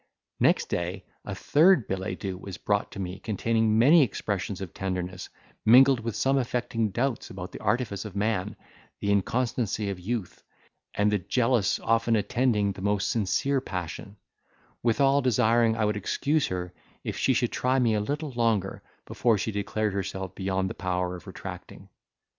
Next day a third billet doux was brought to me, containing many expressions of tenderness, mingled with some affecting doubts about the artifice of man, the inconstancy of youth, and the jealousy often attending the most sincere passion; withal desiring I would excuse her, if she should try me a little longer, before she declared herself beyond the power of retracting.